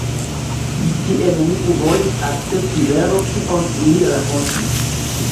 Tie neniu volis akcepti vero, kion ili rakontis.